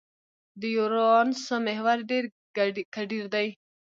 د یورانوس محور ډېر کډېر دی.